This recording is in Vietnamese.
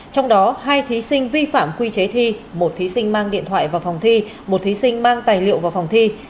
trong đó hai thí sinh vi phạm quy chế thi một thí sinh mang điện thoại vào phòng thi một thí sinh mang tài liệu vào phòng thi